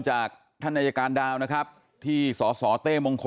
จากอายการดาวน์นะครับที่สสเทศมงคลกิด